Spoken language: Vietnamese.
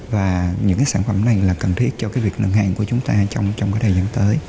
và những sản phẩm này là cần thiết cho việc nâng hạn của chúng ta trong thời gian tới